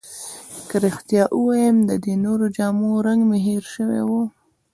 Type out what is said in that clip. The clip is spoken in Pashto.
که رښتیا ووایم، د دې نورو جامو رنګ مې هیر شوی وو.